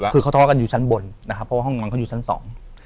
คือเขาทะเลาะกันอยู่ชั้นบนนะครับเพราะว่าห้องนอนเขาอยู่ชั้นสอง